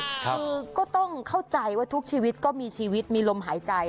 คือก็ต้องเข้าใจว่าทุกชีวิตก็มีชีวิตมีลมหายใจ